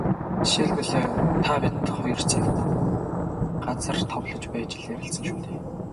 Жишээлбэл, та бид хоёр цаг, газар товлож байж л ярилцаж байна шүү дээ.